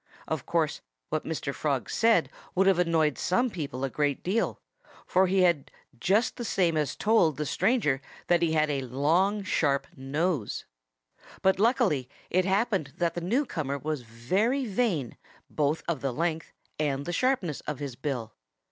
Of course, what Mr. Frog said would have annoyed some people a good deal, for he had just the same as told the stranger that he had a long, sharp nose. But luckily it happened that the newcomer was very vain both of the length and the sharpness of his bill.